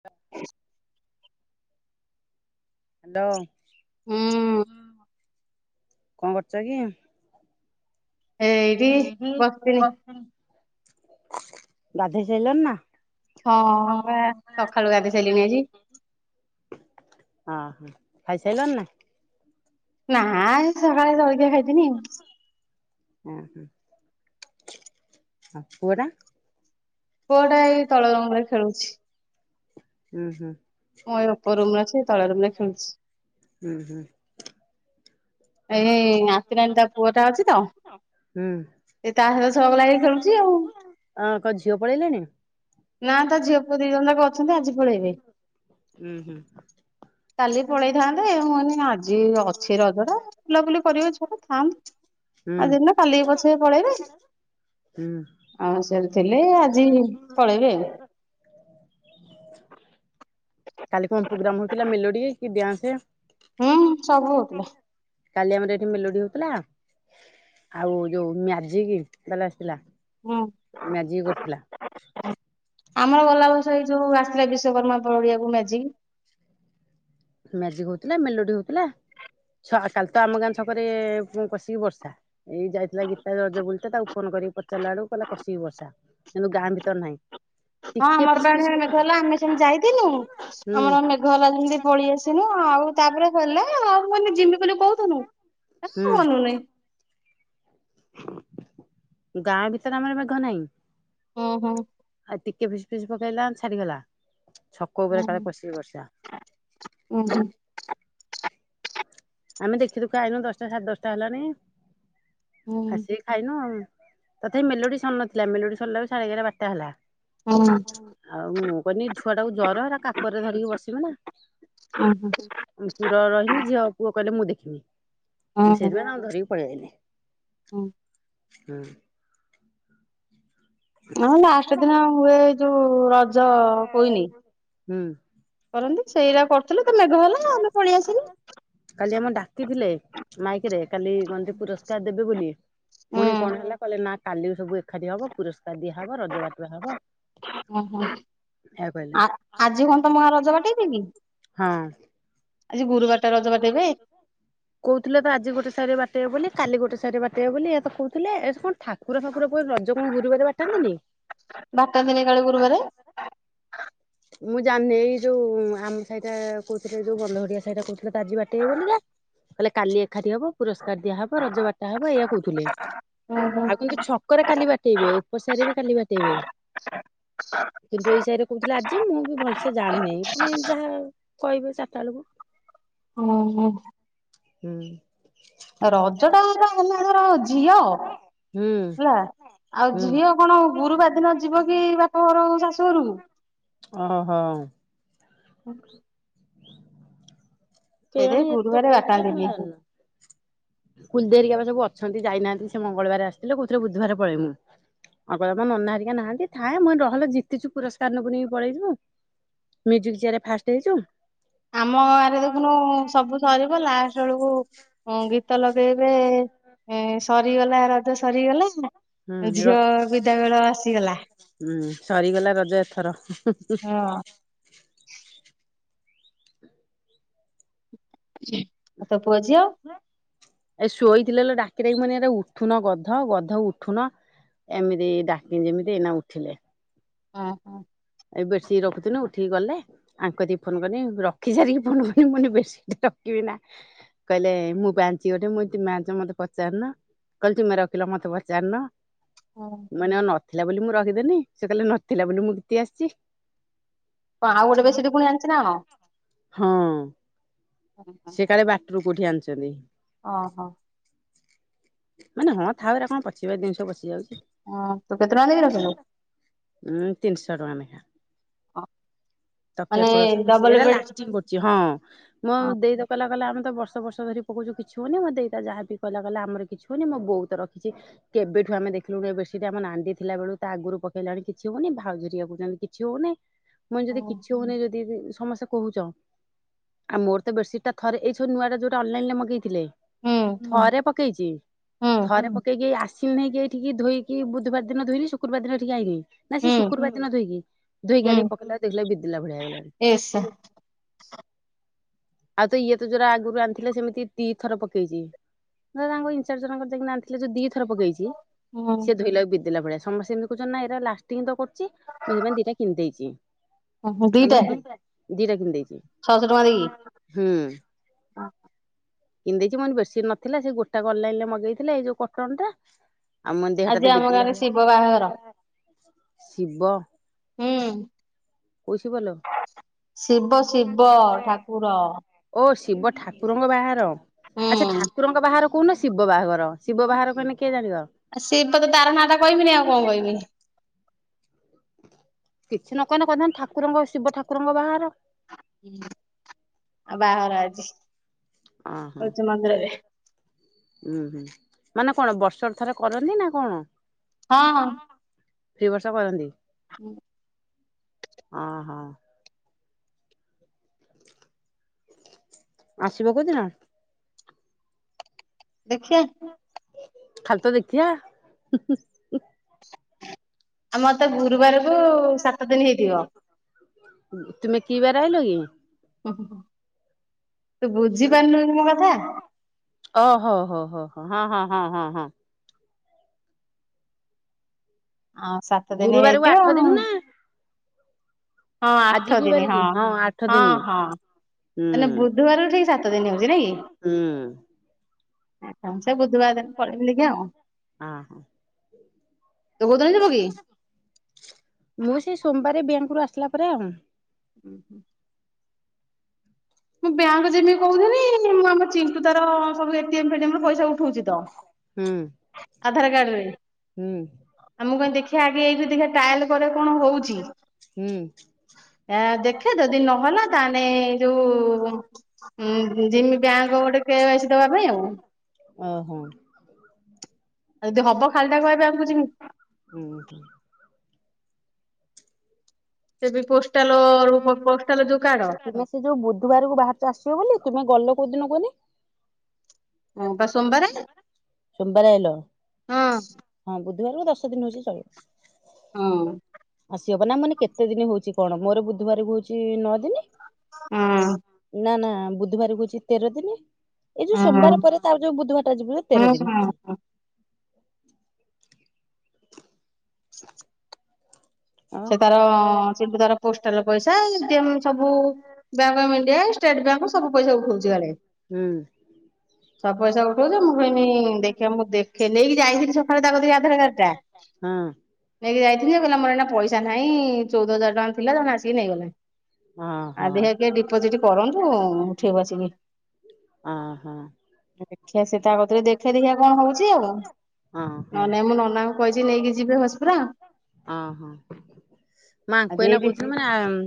[inaudible] ହୁଁ ହ୍ୟାଲୋ କଣ କରୁଚ କି? ଏଇଠି ବସିଥିଲି [unintelligible] ଗାଧେଇ ସାଇଲଣି ନା? ହଁ ବା ସଖାଳୁ ଗାଧେଇ ସାରିଲିଣି ଆଜି। ହଁ ଖାଇସାରିଲଣି ନା? ନା ସକାଳେ ଜଳଖିଆ ଖାଇଥିନୀ। [unintelligible] ପୁଅଟା ଏଇ ତଳ [unintelligible] ଖେଳୁଛି। ହୁଁ ହୁଁ। ମୁଁ ଏ ଉପର ରୁମରେ ଅଛି, ସେ ତଳ ରୁମ ରେ ଖେଳୁଛି। ହୁଁ ହୁଁ। ଏଇ ଆତି ନା ତା ପୁଅଟା ଅଛି ତ। ହୁଁ। ଏ ତା [unintelligible] ଆଉ ଝିଅ ପଳେଇଲେଣି? ନା ତ ଝିଅ ପୁଅ ଦି ଜଣ ଯାକ ଅଛନ୍ତି ଆଜି ପଳେଇବେ। ହୁଁ ହୁଁ। କାଲି ପଳେଇଥାନ୍ତେ ମୁଁ କହିନି ଆଜି ଅଛି ରଜ ଟା। ବୁଲାବୁଲି କରିବ ଛୁଆ ଥାନ୍ତୁ ହୁଁ ଆଜିି ଦିନଟା କାଲିକୁ ପଛେ ପଳେଇବେ। ହୁଁ। ଆଉ ସେଠି ଥିଲେ ଆଜି ପଳେଇବେ ଆଉ। କାଲି କଣ ପ୍ରୋଗ୍ରାମ ହଉଥିଲା ମେଲୋଡି କି ଡ୍ୟାନ୍ସ? ହୁଁ ସବୁ ହଉଥିଲା। କାଲି ଆମର ଏଠି ମେଲୋଡି ହଉଥିଲା। ଆଉ ଯୋଉ ମ୍ୟାଜିକବାଲା ଆସିଥିଲା ହୁଁ ମ୍ୟାଜିକ କରୁଥିଲା। ଆମର ଗଲା ବର୍ଷ ଏଇ ଯୋଉ ଆସିଥିଲା ବିଶ୍ଵକର୍ମା ପଡିଆକୁ ମ୍ୟାଜିକ୍। ମ୍ୟାଜିକ ହଉଥିଲା ମେଲୋଡି ହଉଥିଲା ଛ କାଲି ତ ଆମ ଗାଁ ଛକରେ କଷିକି ବର୍ଷା। ଏଇ ଯାଇଥିଲା ଗୀତା [unintelligible] ବୁଲିତେ ତାକୁ ଫୋନ କରିକି ପଚାରିଲାଆଳକୁ କହିଲା କଷିକି ବର୍ଷା କିନ୍ତୁ ଗାଁ ଭିତର ନାହିଁ। ହଁ ଟିକେ ଆମର ଫିସ୍ ବା ଫିସ୍ [unintelligible] ମେଘ ପକେଇଲା ହେଲା ଆମେ ସେମିତି ଯାଇଥିଲୁ ହୁଁ ଆମର ମେଘ ହେଲା ଯେମିତି ପଳେଆସ ମୁଁ ଆଉ ତାପରେ ହେଲା ଆଉ ମାନେ ଜିମି ବୋଲି କହୁଥୁନୁ ଗଲୁ ହୁଁ ନାହିଁ। ଗାଁ ଭିତରେ ଆମର ମେଘ ନାହିଁ। ଓହୋ। ଆଉ ଟିକେ ଫିସି ଫିସି ପକେଇଲା ଛାଡିଗଲା ଛକ ଉପରେ କାଳେ କଷିକି ବର୍ଷା। ହୁଁ ହୁଁ। ଆମେ ଦେଖି ଦୁଖା ଆଇଲୁଣି ଦଶଟା ସାଢେ ଦଶଟା ହେଲାଣି ହୁଁ। ଆସି। ଖାଇନୁ ଆଉ ତଥାପି ମେଲୋଡି ସରି ନଥିଲା ମେଲୋଡି ସରିଲା ସାଢେ ଏଗାରଟା ବାରଟା ହେଲା। ହୁଁ। ଆଉ ମୁଁ କହିଲି ଛୁଆ ଟାକୁ ଜର ହେରା କାକରରେ ଧରିକି ବସିବି ନା? [unintelligible] ମୁଁ ତୁର ରହିନି ଝିଅ ପୁଅ କହିଲେ ମୁଁ ଦେଖିନି ମୁଁ ହୁଁ ସେଇଥିାଇଁ ଆଉ ଧରିକି ପଳେଇଆଇଲିି। ହୁଁ। ହୁଁ। ହଁ ଲାଷ୍ଟ ଦିନ ହୁଏ ଏ ଯୋଉ ରଜ ପହିଲି। ହୁଁ କରନ୍ତି ସେଇଟା କରୁଥିଲୁ ତ ମେଘ ହେଲା ଆମେ ପଳେଇ ଆସିଲୁ। କାଲି ଆମକୁ ଡାକିଥିଲେ ମାଇକି ରେ କାଲି କଣ ଯେ ପୁରସ୍କାର ଦେବେ ବୋଲି ହୁଁ ପୁଣି କଣ ହେଲା କହିଲେ ନା କାଲି କି ସବୁ ଏକାଠି ହବ ପୁରସ୍କାର ଦିଆହବ ରଜ ବାଟୁଆ ହବ। ହୁଁ ଏହା କହିଲେ ଆ ଆଜି କଣ ତମ ଗାଁରେ ରଜ ବାଟେଇବେ କି? ହଁ। ଆଜି ଗୁରୁବାର ଟା ରଜ ବାଟେଇବେ? କହୁଥିଲେ ତ ଆଜି ଗୋଟେ ସାରି ବାଟେଇବେ ବୋଲି କାଲି ଗୋଟେ ସାରି ବାଟେଇବେ ବୋଲି ଇ ତ କହୁଥିଲେ ଏ କଣ ଠା କୁକୁର ଫୁକୁରକୁ ରଜ କଣ ଗୁରୁବାରେ ବାଟାନ୍ତିନି। ବାଟାନ୍ତିନି କାଳେ ଗୁରୁବାରେ। ମୁଁ ଜାଣିନି ଏଇ ଯୋଉ ଆମ ସଇଟା କହୁଥିଲେ ଯୋଉ ବନ୍ଧଘଡିଆ ସାହିଟା କହୁଥିଲେ ତ ଆଜି ବାଟେଇବେ ବୋଲିକା। କହିଲେ କାଲି ଏକାଠି ହବ ପୁରସ୍କାର ଦିଆହବ ରଜ ବାଟା ହବ ଏଇଆ କହୁଥିଲେ। ହୁଁ ହୁଁ। ଆଉ କିନ୍ତୁ ଛକରେ କାଲି ବାଟେଇବେ ଉପସାହିରେ ବି କାଲି ବାଟେଇବେ। କିନ୍ତୁ ଏଇ ସାହିରେ କହୁଥିଲା ଆ ମୁଁ ବି ଭଲସେ ଜାଣିନାହିଁ। ପୁଣି ଯାହା କହିବେ ଚାରିଟା ବେଳକୁ। ହୁଁ ହୁଁ। ହୁଁ। ରଜଟା [unintelligible] ଝିଅ। ହୁଁ ହେଲା ଆଉ ହୁଁ। ଝିଅ କଣ ଗୁରୁବାର ଦିନ ଯିବକି ବାପା ଘରୁ ଶାଶୁଘରୁକୁ? ଓହୋ। [inaudible] ସେଇତିପାଇଁ କେଜାଣି ଏତେ ଗୁରୁବାରେ କହୁଥିଲେ ବାଟାନ୍ତିିନି। କୁଲିଦେଇ ହେରିକାବା ସବୁ ଅଛନ୍ତି ଯାଇନାହାନ୍ତି ସେ ମଙ୍ଗଳବାର ଆସିଥିଲେ କହୁଥିଲେ ବୁଧବାର ପଳେଇମୁ ଆକଇଲାତ ନନା ହେରିକା ନାହାନ୍ତି ଥାଏ ମୁ ରହଲୋ ଜିତିଚୁ ପୁରସ୍କାର ନବୁନିକି ପଳେଇଯିବୁ। Music ଚ୍ୟାରରେ first ହେଇଁଚୁ। ଆମ ଗାଁରେ ଦେଖୁନୁ ସବୁ ସରିବ ଲାଷ୍ଟ ବେଳକୁ ଗୀ ଗୀତ ଲଗେଇବେ ଏଁ-ସରିଗଲା ରଜ ସରିଗଲା ର ଝିଅ ବିଦାବେଳ ଆ ହୁଁ ସରିଗଲା ରଜ ଏଥର ହୁ ହୁ। ହଁ ଆଉ ତୋ ପୁଅ ଝିଅ? ଏ ଶୋଇଥିଲେଲୋ ଡାକିଡାକି ମୁଁ କଇନି ଏରା ଉଠୁନ ଗଧ ଗଧ ଉଠୁନ ଏମିତି ଡାକିନି ଯେମିତି ଏଇନା ଉଠିଲେ। ଅଁ ହଁ। ଏଇ ବେରସିଟି ରଖୁଥିନୁ ଉଠିକି ଗଲେ ଆଙ୍କ କତିକି ଫୋନ୍ କନି ରଖି ସାରିକି ଫୋନ୍ କନି ମୁଁ କଇନି ବେସିଟି ରଖିବିନା। କହିଲେ ମୁଁପା ଆଣିଚି ଗୋଟେ ମୁଁ କଇନି ତୁମେ ଆଣିଚି ମତେ ପଚାରିନ। କଇଲେ ତୁମେ ରଖିଲ ମତେ ପଚାରିନ। ହଁ। ମୁଁ କଇନି ଅ ନଥିଲା ବୋଲି ମୁଁ ରଖିଦେନି ସେ କଇଲେ ନଥିଲା ବୋଲି ମୁଁ ଘିତି ଆସିଚି। କଁ ଆଉଗୋଟେ ବେରସିଟି ଫୁଣି ଆଣିଚିନାଁ କଣ? ହଁ କଣ ସେକାଳେ ବାଟୁରୁ କୋଉଠି ଆଣିଚନ୍ତି। ଅଁହଁ। ମୁଁ କଇନି ହଁ ଥାଉ ଏରା କଣ ପଚିବା ଜିନିଷ ପଚିଯାଉଚି। ହଁ ତୁକେତେ ଟଙ୍କା ଦେଇକି ରଖିଲୁ? ଉଁ ତିନିଶହ ଟଙ୍କା ନେଁଖା। [inaudible] ତକିଆ ମାନେ ଖୋଳ ସହ [unintelligible] ଡବଲ ଏରା ବେଡ୍ ଲାଷ୍ଟିଙ୍ଗ କରୁଚି ହଁ ମୋ ଦେଇତ କଇଲା କଇଲା ଆମେତ ବର୍ଷ ବର୍ଷ ଧରି ପକଉଚୁ କିଛି ହଉନି ମୋ ଦେଇତା ଯାହାବି କଇଲା କଇଲା ଆମର କିଛି ହଉନି ମୋ ବୋଉତ ରଖିଚି କେବେଠୁ ଆମ ଦେଖିଲୁଣି ଏବେରସିଟି ଆମ ନାଣ୍ଡି ଥିଲାବେଳୁ ତାଆଗରୁ ପକେଇଲାଣି କିଛି ହଉନି ଭାଉଜ ହରିିକା କହୁଚନ୍ତି କି କିଛି ହଉନି ମୁଁ କଇନି ଯଦି ହଁ। କିଛି ହଉନି ଯଦି ସମସ୍ତେ କହୁଚ ଆ ମୋର ତ ବେରସିଟା ଥରେ ଏଇ ଥର ନୂଆଟା ଯେଉଟା ଅନଲାଇଲେ ମଗେଇଥିଲେ ହୁଁ ଥରେ ପକେଇଚି ହୁଁ ଥରେ ପକେଇକି ଏଇ ଆସ୍ ସିଣେଇକି ଏଇଠିକି ଧୋଇକି ବୁଧବାର ଦିନ ଧୋଇଲି ଶୁକ୍ରବାର ଦିନ ଏଇଠିକି ଆଇଁନି। ନା ହୁଁ ସେଶୁକ୍ରବାର ଦିନ ଧୋଇକି ଧୋଇକି ଆଣି ହୁଁ ପକେଇଲା ଦେଖିଲା ବେଳକୁ ବିଦିଲା ଭଳିଆ ହେଇଗଲାଣି। ଏସ୍ ଆଉତ ଇଏତ ଯୋରା ଆଗରୁ ଆଣିଥିଲା ସେମିତି ଦି ଥର ପକେଇଚି ତାଙ୍କ ଇନଚାରଜ ସାଙ୍ଗର ଯାଇକିନା ଆଣିଥି ଯୋଉ ଦି ଥର ପକେଇଚି ହୁଁ ସେ ଧୋଇଲାକୁ ବିଦଲା ଭଳିଆ ସମସ୍ତେ ସେମିତି କଉଚନ୍ତି ନାଁ ଏରା ଲାଷ୍ଟି ଟିଙ୍ଗ୍ତ କରୁଚି ମୁଁ ସେଥିପାଇଁ ଦିଟା କିଣିିଦେଇଚି ହୁଁ, ଦିଟା [unintelligible] ଦିଟା କିଣିିଦେଇଚି। ଛଅଶହ ଟଙ୍କା ଦେଇକି [unintelligible] ହୁଁ। ପିନ୍ଧେଇଚି ମୁଁ କଇନି ବେରସିଟ ନଥିଲା ସେ ଗୋଟାକ ଅନଲାଇଲେ ମଗେଇଥିଲେ ଏଇ ଯୋଉ କଟନଟା ଆଉ ମୁଁ କଇନି ଆଜି ହେହଟାତ ଆମ ବିଦିଲା ଗାଁରେ ଭଳିଆ ଶିବ ବାହାଘର [unintelligible] ଶିବ ହୁଁ କୋଉ ଶିବ ଲୋ ଶିବ ଶିବ ଠାକୁର। ଓ ଶିବ ଠାକୁରଙ୍କ ବାହାଘର ହୁଁ ଆଛା ଠାକୁରଙ୍କ ବାହାଘର କହୁନ ଶିବ ବାହାଘର ଶିବ ବାହାଘର କଇନେ କିଏ ଜାଣିବ। ଆ ସେଟାତ ତାର ଆରନାଁଟା କଇମିନେଇ ଆଉ କଁ କଇମି। କିଛି ନକଇନେ କହିଥାନ୍ତ ଠାକୁରଙ୍କ ଶିବ ଠାକୁରଙ୍କ ବାହାଘର। ଆଉ ବାହାଘର ଆଜି, ହଉଚି ମନ୍ଦିରରେ। ଉୁଁ, ହୁଁ, ମାନେ କଣ ବର୍ଷରେ ଥରେ କରନ୍ତି ନା କଣ? ହଁ, ହଁ। ତି ବର୍ଷ କରନ୍ତି। ହୁଁ। ଅ, ହଁ। ଆସିବ କୋଉଦିନ? ଦେଖିଆ। ଖାଲି ତ ଦେଖିିଆ, ହୁଁ, ହୁଁ। ଆମର ତ ଗୁରୁବାରକୁ ସାତ ଦିନି ହେଇଥିବ। ତୁମେ କି ବାରେ ଆଇଲ କି? ହୁଁ, ହୁଁ, ତୁ ବୁଝିପାରୁନୁ କି ମୋ କଥା? ଅ ହ, ହୋ, ହୋ, ହୋ, ହଁ ହଁ ହଁ ହଁ ହଁ। ଆଉ ସାତ ଦିନ ଗୁରୁବାରକୁ ହେଇଥିବ ଆଠ ଆଉଁ। ଦିନ ନା ହଁ, ଆଜି ଆଠ କି ଦିନି ବାର ହଁ, କି ଆଠ ହଁ ଦିନି ହଁ। ମାନେ ହୁଁ। ବୁଧୁବାର କୁ ଠିକ୍ ସାତ ଦିନି ହଉଛି ନାଇଁକି! ହୁଁ ଆଛା ସେ ବୁଧୁବାର ଅ, ହଁ। ତୁ କୋଉଦିନ ଯିବୁ କି? ମୁଁ, ସେଇ ସୋମବାରେ ବ୍ୟାଙ୍କରୁୁ ଆସିଲା ପରେ, ଆଉ ଉ, ହୁଁ। ମୁଁ ବ୍ୟାଙ୍କ ଯିମି କହୁଥିନି-ଇ, ମୁଁ ଆମ ଚିଣ୍ଟୁ ତାର ସବୁ ଏ ଟି ଏମ୍ ଫେଟିଏମ୍ ରୁ ପଇସା ଉଠଉଛି ତ। ହୁଁ। ଆଧାର କାର୍ଡରେ। ହୁଁ ଆ ମୁଁ କୁହେ, ଦେଖିଆ ଆଗେ ଏଇଟି ଦେଖିବା ଟ୍ରାଏଲ୍ କରେ କଣ ହଉଛି? ହୁଁ ଏଁ, ଦେଖେ ଯଦି ନହେଲା ତା ହେନେ କୁ-ଉ ଉଁ ଜିମି ବ୍ୟାଙ୍କ୍ ଗୋଟେ କେ ୱାଇ ସି ଦେବା ପାଇଁ ଆଉ। ଓହୋ। ଆଉ ଯଦି ହବ ଖାଲିଟାକୁ କାଇଁ ବ୍ୟାଙ୍କ କୁ ଯିମି। ଉ ହୁଁ। ସେ ବି ପୋଷ୍ଟାଲ ର ପୋଷ୍ଟାଲ ଯୋଉ କାର୍ଡ ତୁମେ ସେ ଯୋଉ ବୁଧୁବାର କୁ ବାହାରିଚ ଆସିବ ବୋଲି! ତୁମେ ଗଲ କୋଉଦିନ କୁହନି? ହଁ, ପା ସୋମବାରେ। ସୋମବାରେ ଆଇଲ, ହଁ ହଁ ବୁଧବାରକୁ ଦଶ ଦିନ ହଉଛି ଚଳିବ। ହଁ। ଆସିବ ପା, ନା ମାନେ କେତେ ଦିନି ହଉଛି କଣ, ମୋର ବୁଧବାରକୁ ହଉଛି ନଅ ଦିନି। ନା, ନା, ବୁଧବାର କୁ ହଉଛି ତେର ଦିନି। ଏଇ ଯୋଉ ହଁ ସୋମବାର ହଁ ପରେ ତାର ଯୋଉ ବୁଧୁବାରଟା ଯିବ ତେର ଦିନି। ହଁ। ଅ ସେ ତାରଁ ସିଏ ତ ତାର ପୋଷ୍ଟାଲ୍ ପଇସା ଯେମ୍ ସବୁ ବ୍ୟାଙ୍କ ଅଫ୍ ଇଣ୍ଡିଆ, ଏ ଷ୍ଟେଟ ବ୍ୟାଙ୍କ୍ ସବୁ ପଇସା ଉଠଉଛି କାଳେ। ହୁଁ। ସବ୍ ପଇସା ଉଠ୍ କହୁ ଯେ, ମୁଁ କହିନି, ଦେଖିବା ମୁଁ ଦେଖେ ନେଇକି ଯାଇଥିଲି ସକାଳେ ତା କତିକି ଆଧାର କାର୍ଡ ଟା। ହଁ ନେଇକି ଯାଇଥିଲି ଯେ, କହିଲା ମୋର ଏଇନା ପଇସା ନାହିଁ। ଚଉଦ ହଜାର ଟଙ୍କା ଥିଲା, ଜଣେ ଆସିକି ନେଇଗଲାଇଁ। ହଁ ଆ ହଁ। ଦେଖିଆ କିଏ ଡିପୋଜିଟି କରନ୍ତୁ, ଉଠେଇବୁ ଆସିକି। ଅ ହଁ। ଦେଖିଆ, ସେ ତା କତିରେ ଦେଖିଆ ଦେଖିଆ କଣ ହଉଛି ଆଉ? ଓହୋ ନ ନାଇଁ ମୁଁ ନନାଙ୍କୁ କହିଛି ନେଇକି ଯିବେ ହସ୍ ପୁରା। ଅଂ ହଁ।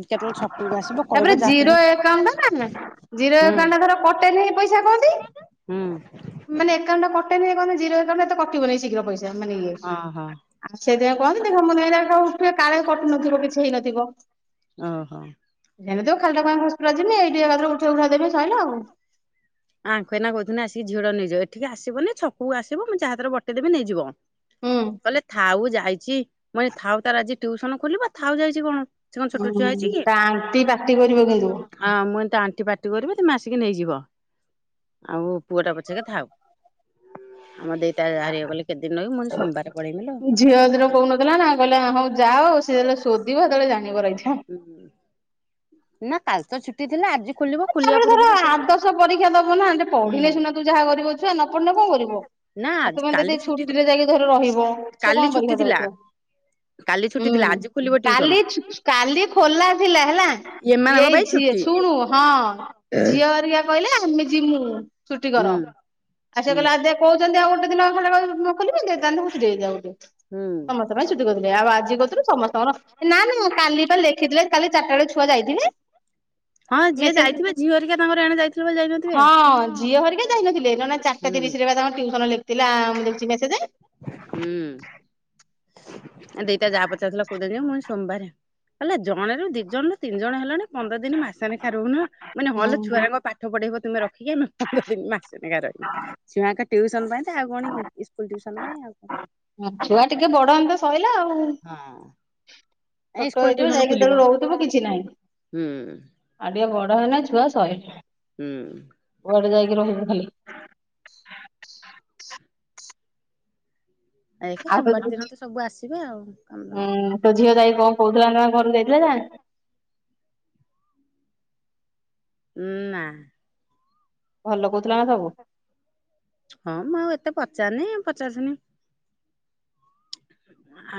କେତେବେଳେ ଛକକୁ ଆସିବ କହିବ ତାପରେ ଯାହା ଜିରୋ ହୁଁ ଆକାଉଣ୍ଟ୍ ଟା ନା ଜିରୋ ଆକାଉଣ୍ଟ୍ ଟା ଧର କଟେ ନେଇ ପଇସା କଅନ୍ତି। ହୁଁ। ମାନେ ଆକାଉଣ୍ଟା ଟା କଟେଇନି କଣ ତ ଜିରୋ ଆକାଉଣ୍ଟ୍ ଏତେ କଟିବନି ଶୀଘ୍ର ପଇସା। ଯା ମାନେ ଇଏ, ଓହୋ ଆଉ ସେଇଥି ପାଇଁ କୁହନ୍ତିନି ହ ମୁଁ ନିରାଠ୍ ଏ କାଳେ କଟୁ ନଥିବ କିଛି ହେଇନଥିବ। ଓହୋ। ଏମିତି ହଉ ଖାଲିଟା କାଇଁ ହସ୍ପିଟାଲ୍ ଯିବି ଏଇଠି ଏକାଥରେ ଉଠ୍ ହୁରା ଦେବି ସଇଲା ଆଉ। ଆଙ୍କେ ଏ ନା କହୁଥିନେ ଆସିକି ଝିଅ ଟାକୁ ନେଇଯିବ, ଏଠିକି ଆସିବନି ଛକକୁ ଆସିବ ମୁଁ ଯାହା ହାତରେ ବତେଇ ଦେବି ନେଇଯିବ। ହୁଁ। କହିଲେ ଥାଉ ଯାଇଚି, ମୁଇ ଥାଉ ତାର ଆଜି ଟ୍ୟଉସନ ଖୋଲିବ ଥାଉ ଯାଇଚି କଣ। ସେ କଣ ଛୋଟ ହୁଁ, ତା ‌ଆଣ୍ଟି ପାଟି କରିବ କିନ୍ତୁ। ହଁ ମୁଁ କଇନି ଆଣ୍ଟି ପାଟି କରିବେ ତେମେ ଆସିକି ନେଇଯିବ। ଆଉ ପୁଅ ଟା ପଛକେଥାଉ, ଆମ ଦେଇଟା ବାହାରିବେ ବୋଲି କେତେଦିନ ରହିବୁ ମୁଁ କହିଲି ସୋମବାର ପଳେଇବି ଝିଅ ଯେତେବେଳେ କହୁନଥିଲା ନା ଲୋ। କହିଲା ହଉ ଯାଅ ସେ ଯେତେବେଳେ ଶୋଦିବ ସେତେବେଳେ ଜାଣିବ ରହିଥା। ହୁଁ ନା କାଲି ତ ଛୁଟି ଥିଲା ଆଜି ଖୋଲିବ। ଖୋଲିବା ତାପରେ ଧର ପୂର୍ବରୁ ପଳେଇବା। ଆର୍ଦଶ ପରୀକ୍ଷା ଦବ ନା, ଟିକେ ପଢିଲେ ସିନା ତୁ ଯାହା କରିବୁ ଛୁଆ ନ ପଢିନେ କଣ କରିବୁ। ନା ଆଉ ଆଜି ତୁମେ କାଲି ଯଦି ଛୁଟି ରେ ଯାଇକି ଧର ରହିବ ସେ କଣ କାଲି ଛୁଟି ପରୀକ୍ଷା ଥିଲା ଦଉଥିବ। କାଲି ଛୁଟି ଥିଲା ହୁଁ, ଆଜି ଖୋଲିବ ଟିଉସନ। କାଲି କାଲି ଖୋଲା ଥିଲା ହେଲା। ଏମାନଙ୍କ ଏଇ ପାଇଁ ଝିଅ ଛୁଟି। ଶୁଣୁ ହଁ ଝିଅ ହେରିକା କହିଲେ ଆମେ ଯିମୁ। ଛୁଟି ହୁଁ କର। ଆରେ ସେ ହୁଁ। କହିଲା ଆରେ ଦେ କହୁଛନ୍ତି ଆଉ ଗୋଟେ ଦିନ ଖୋଲିବି, ଦେ ତାହେଲେ ଛୁଟି ହେଉଯାଉ ଗୋଟେ। ହୁଁ ସମସ୍ତେ ପାଇଁ ଛୁଟି କରିଦେଲେ ଆଉ ଆଜି କହୁଥିଲୁ ସମସ୍ତଙ୍କର ଏ ନା ନା କାଲି ବା ଲେଖିଥିଲେ କାଲି ଚାରଟା ବେଳେ ଛୁଆ ଯାଇଥିଲେ। ହଁ ଯିଏ ମେସେଜ ଯାଇଥିବେ ଝିଅ ହରିକା ତାଙ୍କର ଏଣେ ଯାଇଥିବେ ବୋଲି ଯାଇନଥିବେ। ହଁ ଝିଅ ହେରିକା ଯାଇନଥିଲେ ଜଣେ ଚାରିଟା ହୁଁ ତିରିଶ ରେ ବା ତାଙ୍କ ଟିଉସନ ଲେଖିଥିଲେ ଆ ମୁଁ ବା ଦେଖିଛି ମେଶେଜ୍ଜ ରେ। ହୁଁ, ଦିଟା ଯାହା ପଚାରଥିଲା କୋଉଦିନ ଯିବା ମୁଇ ସୋମବାରେ, କହିଲା ଜଣେ ରୁ ଦି ଜଣ ରୁ ତିନି ଜଣ ହେଲଣି। ପନ୍ଦର ଦିନ ମାସ ନେଖା ରହୁନ, ମାନେ ହଲ ହୁଁ ଛୁଆ ଯାଙ୍କ ପା ପାଠ ପଢେଇବ ତୁମେ ରଖିକି ଆମେ ପନ୍ଦର ଦିନ ମାସେ ନେଖା ରହିବୁ। ଛୁଆଙ୍କ ଟିଉସନ ପାଇଁ ଆଉ କଣ କି ଇସ୍କୁଲ ଟ୍ୟୁସନ ପାଇଁ ଆଉ କଣ। ଛୁଆ ଟିକେ ବଡ ହନ୍ତା ସଇଲା ଆଉ। ହଁ ଏଇ ଛୋଟ ସ୍କୁଲ ହେଇଥିବେ ଟିଉସନ ଯାଇକି ଖୋଲିବ। ସେତଳୁ ରହୁଥିବୁ କିଛି ନାହିଁ। ହୁଁ ଆଉ ଟିକେ ବଡ ହେଲା ଛୁଆ ସଇଲା, ହୁଁ କୁଆଡେ ଯାଇକି ରହିବୁ ଖାଲି। ଏଇତ ଆଉ ସୋମବାର ତୋ ଦିନ ତ ସବୁ ଆସିବେ ଆଉ, କାମଦାମ ତ ଝିଅ ଯାଇ କଣ କହୁଥିଲା ନା ଘକୁ ଯାଇଥିଲା ଯା ଉ ନା। ଭଲ କହୁଥିଲା ବା ସବୁ। ହଁ ମୁଁ ଆଉ ଏତେ ପଚାରେନି, ପଚାରନି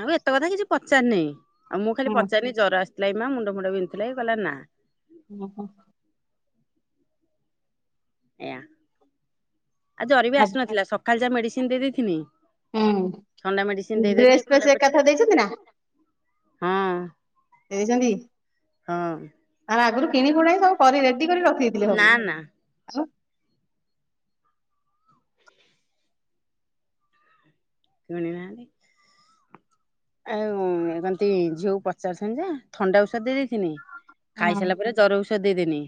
ଆଉ ଏତେ କଥା କିଛି ପଚାରିନି। ଆଉ ମୁଁ ଖାଲି ହୁଁ ପଚାରିଲି ଜ୍ୱର ଆସିଥିଲା କି ମା, ମୁଣ୍ଡ ଫୁଣ୍ଡ ବିନ୍ଧୁଥିଲା, କହିଲା ନା। ଓହୋ। ଏୟା ଆଉ ଜର ବି ଆସୁନଥିଲା ସଖାଳ ଯାହା ମେଡିସିନ୍ ଦେଇ ଦେଇଥିନି। ହୁଁ ଥଣ୍ଡା ମେଡିସିନ୍ ଦେଇଦେନି ଡ୍ରେସ ଫ୍ରେସ୍ ଥଣ୍ଡା [inaudible] ଏକାଥରେ ଦେଇଛନ୍ତି ନା ଦେଇଛନ୍ତି? ହଁ ଆରେ ଆଗରୁ କିଣିକୁଣାଇ ସବୁ କରି ରେଡି କରି ରଖିଦେଇଥିଲେ ନା ସବୁ। ନା [unintelligible] ଶୁଣି ନାହାଁନ୍ତି। ଆଉ ଏ ରନ୍ତି ଝିଅକୁ ପଚାରୁଛନ୍ତି ଯେ ଥଣ୍ଡା ଔଷଧ ଦେଇ ଦେଇଥିନି, ଖାଇସାରିଲା ପରେ ଜର ଔଷଧ ଦେଇଦେନି।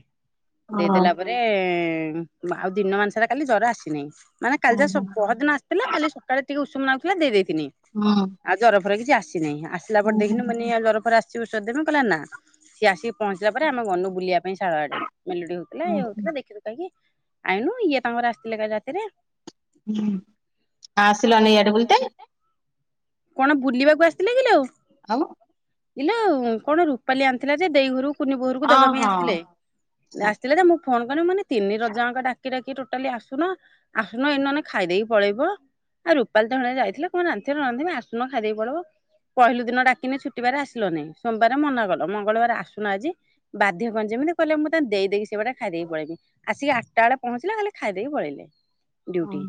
ହଁ ଦେଇଦେଲା ପରେ ରେ ଆଉ ଦିନମାନସାରା କାଲି ଜର ଆସିନାହିଁ। ମାନେ ହଁ କାଲି ଯାହା ହଁ ସ- ପହର ଦିନ ଆସ ଥିଲା ଖାଲି ସକାଳେ ଟିକେ ଉଷୁମ ନାଗୁଥିଲା ଦେଇ ଦେଇଥିନି। ହଁ। ଆଉ ଜର ଫର କିଛି ଆସିନାହିଁ, ଆସିଲା ପରେ ହଁ ଦେଖିନି ମାନେ ଆଉ ଜର ଫର ଆସିଛି ଔଷଧ ଦେମି କହିଲା ନା। ସିଏ ଆସିକି ପହଞ୍ଚିଲା ପରେ ଆମେ ଗନୁ ବୁଲିବା ପାଇଁ ଶାଳ ଆଡେ। ମେଲୋଡି ହଉଥିଲା ହଁ ଇଏ ହଉଥିଲା, ଦେଖିଦୁ କାଇଁକି, ଆଇନୁ ଇଏ ତାଙ୍କର ଆସିଥିଲେ କାଲି ରାତିରେ। ହୁଁ ଆ, ଆସିଲନି ଇଆଡେ ବୁଲିତେ। କଣ ବୁଲିବାକୁ ଆସିଥିଲେ କିିଲୋ? ହଁ। ଇଲୋ କଣ ରୁପାଲି ଆଣିଥିଲା ଯେ ଦେଇ ଘରୁକୁ କୁନି ବୋଉ ଘରକୁ ହଁ ଦବା ପାଇଁ ଆସିଥିଲେ। ହଁ ଏ ଆସିଥିଲେ ଯେ ମୁଁ ଫୋନ୍ କନି ମୁଁ କଇନି ତିନି ରଜଆଙ୍କ ଡାକି ଡାକି ଟୋଟାଲି ଆସୁନ, ଆସୁନ ଏଇ ନନେ ଖାଇଦେଇକି ପଳେଇବ। ଆଉ ରୂପାଲୀ ତ ସେଣେ ଯାଇଥିଲା କଣ ରାନଥିବ ରାନ୍ଧିବ ଆସୁନ ଖାଇଦେଇ ପଳେଇବ। ପହିଲି ଦିନ ଡାକିନି ଛୁଟିବାର ଆସିଲନି, ସୋମବାର ମନା କଲ ମଙ୍ଗଳବାର ଆସୁନ ଆଜି। ବାଧ୍ୟ କନି ଯେମିତି କଇଲେ ମୋତେ ଦେଇଦେଇକି ସେ ବାଟେ ଖାଇଦେଇକି ପଳେଇମି। ଆସିକି ଆଟା ବେଳେ ପହଞ୍ଚିଲା, ଖାଲି ଖାଇଦେଇକି ପଳେଇଲେ। ଡିଉଟି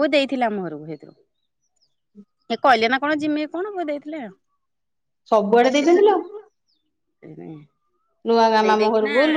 ବୋଉ ଦେଇଥିଲା ଆମ ଘରକୁ ସେଇଥିରୁ। ହେ କହିଲେ ନା କଣ ଯିମି କଣ ବୋଉ ଦେଇଥିଲେ ସବୁଆଡେ ଦେଇଛନ୍ତି ଲୋ ଆଉ, [inaudible] [unintelligible] ନୂଆ ଗାଁ ମାମୁଁ ଦେଇଦେଇକିନା ଘରକୁ ଗଲୁ।